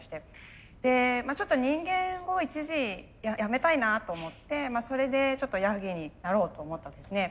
でちょっと人間を一時やめたいなと思ってそれでちょっとヤギになろうと思ったんですね。